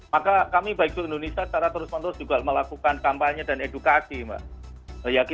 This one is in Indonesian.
maka kami baik seluruh indonesia secara terus menerus juga melakukan kampanye dan edukasi mbak